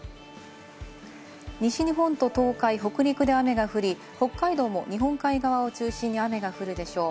西日本と東海、北陸で雨が降り、北海道も日本海側を中心に雨が降るでしょう。